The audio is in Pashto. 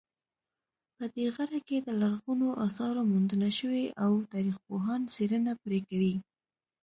په دې غره کې د لرغونو آثارو موندنه شوې او تاریخپوهان څېړنه پرې کوي